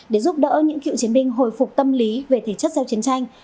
để giúp đỡ những cựu chiến binh hồi phục tâm lý về thể chất sau chiến tranh